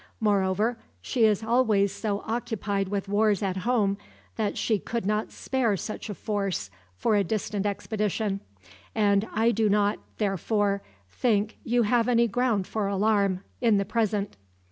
Moreover, she is always so occupied with wars at home that she could not spare such a force for a distant expedition; and I do not, therefore, think you have any ground for alarm, in the present.